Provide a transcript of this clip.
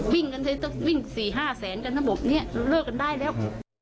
วิ่ง๔๕แสนกันทั้งหมดเริ่มเลิกกันได้แล้ว